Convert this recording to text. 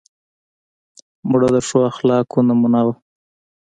مړه د ښو اخلاقو نمونه وه